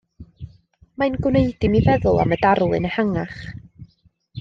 Mae'n gwneud i mi feddwl am y darlun ehangach.